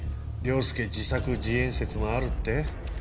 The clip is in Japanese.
凌介自作自演説もあるって？